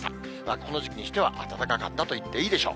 この時期にしては暖かかったと言っていいでしょう。